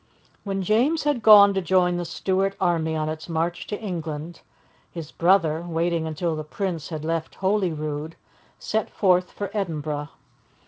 When James had gone to join the Stuart army on its march to England, his brother, waiting until the Prince had left Holyrood, set forth for Edinburgh.